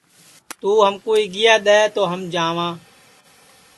توں ہمکُو آیگیا دؔے تو ہم جاواں